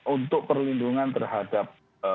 untuk perlindungan terhadap